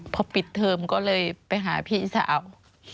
พอปิดเทอมก็เลยไปหาพี่สาว